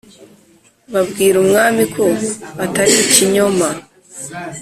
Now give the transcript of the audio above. babwira umwami ko atari ikinyoma